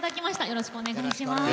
よろしくお願いします。